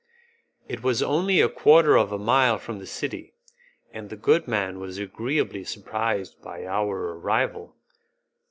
It was only a quarter of a mile from the city, and the good man was agreeably surprised by our arrival.